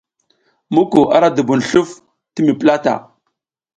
Muku a la dubun sluf ti mi plata.